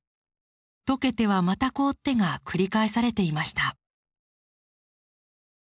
解けてはまた凍ってが繰り返されていました。